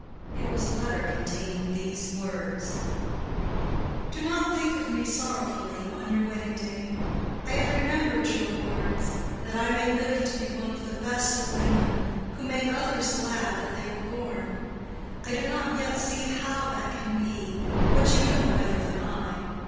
It was a letter containing these words: Do not think of me sorrowfully on your wedding day. I have remembered your words—that I may live to be one of the best of women, who make others glad that they were born. I do not yet see how that can be, but you know better than I.